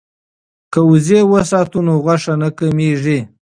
که وزې وساتو نو غوښه نه کمیږي.